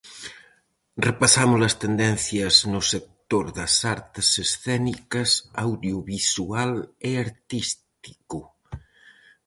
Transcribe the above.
Repasamos as tendencias no sector das artes escénicas, audiovisual e artístico.